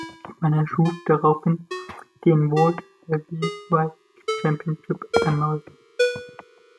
Man erschuf daraufhin den "World Heavyweight Championship" erneut.